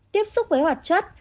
tiếp xúc với hoạt chất